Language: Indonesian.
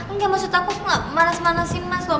engga maksud aku aku gak marah marahin mas loh